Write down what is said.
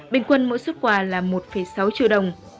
bình quân mỗi xuất quà là một sáu triệu đồng